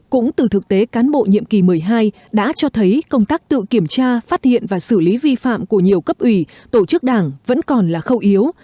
cũng từ thực tế cán bộ nhiệm kỳ một mươi hai đã cho thấy công tác tự kiểm tra phát hiện và xử lý vi phạm của nhiều cấp ủy tổ chức đảng vẫn còn là khâu yếu